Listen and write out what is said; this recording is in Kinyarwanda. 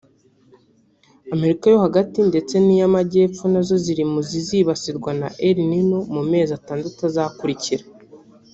Amerika yo hagati ndetse n’iy’Amajyepfo na zo ziri muzizibasirwa na El Nino mu mezi atandatu azakurikira